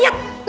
saya mau liat